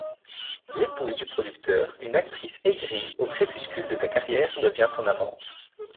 L'épouse du producteur, une actrice aigri, au crépuscule de sa carrière, devient son amante.